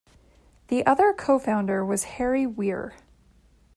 The other co-founder was Harry Weir.